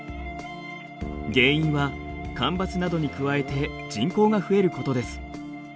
原因は干ばつなどに加えて人口が増えることです。